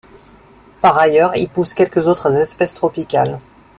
Par ailleurs, y poussent quelques autres espèces tropicales.